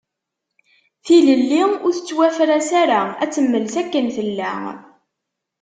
Tilelli ur tettwafras ara, ad temmels akken tella.